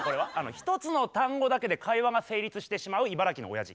一つの単語だけで会話が成立してしまう茨城のおやじ。